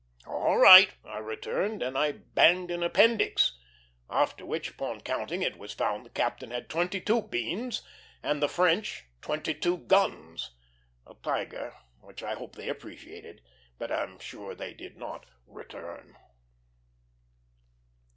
"All right!" I returned, and I banged an appendix; after which, upon counting, it was found the captain had twenty two beans and the French twenty two guns a "tiger" which I hope they appreciated, but am sure they did not "return."